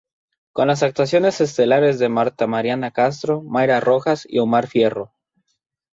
Con las actuaciones estelares de Martha Mariana Castro, Mayra Rojas y Omar Fierro.